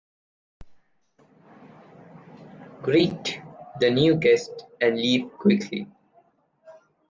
Greet the new guests and leave quickly.